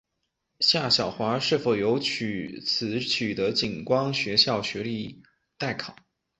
夏晓华是否由此取得警官学校学历待考。